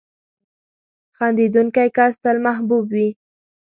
• خندېدونکی کس تل محبوب وي.